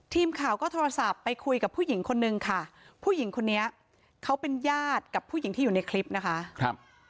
ทีมข่าวก็โทรศัพท์ไปคุยกับผู้หญิงคนนึงค่ะผู้หญิงคนนี้เขาเป็นญาติกับผู้หญิงที่อยู่ในคลิปนะคะครับ